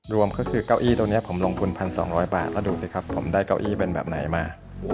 รวมก็คือเก้าอี้ตรงนี้ผมลงทุน๑๒๐๐บาทแล้วดูสิครับผมได้เก้าอี้เป็นแบบไหนมา